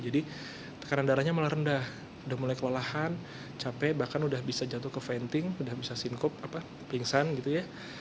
jadi tekanan darahnya mulai rendah udah mulai kelalahan capek bahkan udah bisa jatuh ke venting udah bisa sinkup pingsan gitu ya